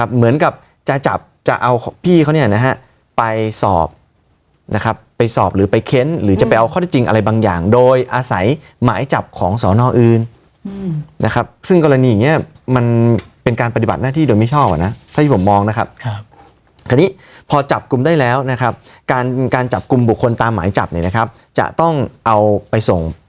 เหมือนกับจะจับจะเอาพี่เขาเนี่ยนะฮะไปสอบนะครับไปสอบหรือไปเค้นหรือจะไปเอาข้อได้จริงอะไรบางอย่างโดยอาศัยหมายจับของสอนออื่นนะครับซึ่งกรณีอย่างนี้มันเป็นการปฏิบัติหน้าที่โดยมิชอบอ่ะนะถ้าที่ผมมองนะครับคราวนี้พอจับกลุ่มได้แล้วนะครับการจับกลุ่มบุคคลตามหมายจับเนี่ยนะครับจะต้องเอาไปส่ง